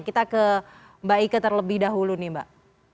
kita ke mbak ike terlebih dahulu nih mbak